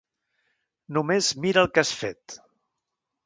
Només mira el que has fet.